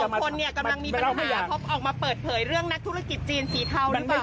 มันคงจะพบออกมาเปิดเผยเรื่องนักธุรกิจชีนศรีเท่าหรือเปล่าคะ